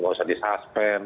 tidak usah disuspend